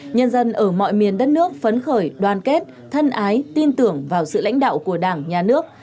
nhân dân ở mọi miền đất nước phấn khởi đoàn kết thân ái tin tưởng vào sự lãnh đạo của đảng nhà nước